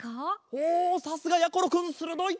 おさすがやころくんするどい！